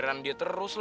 saya mau berbual